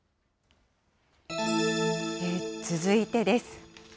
続いてです。